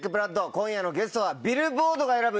今夜のゲストはビルボードが選ぶ